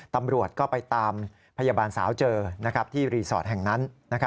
ตำรวจก็ไปตามพยาบาลสาวเจอที่รีสอร์ทแห่งนั้น